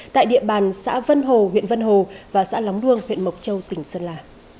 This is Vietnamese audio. tại địa bàn xã vân hồ huyện vân hồ và xã lóng luông huyện mộc châu tỉnh sơn la